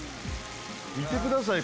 見てください！